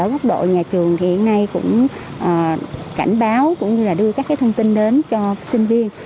ở góc độ nhà trường thì hiện nay cũng cảnh báo cũng như là đưa các thông tin đến cho sinh viên